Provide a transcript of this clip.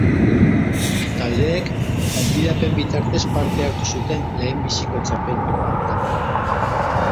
Taldeek gonbidapen bitartez parte hartu zuten lehenbiziko txapelketa hartan.